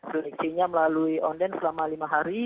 produksinya melalui online selama lima hari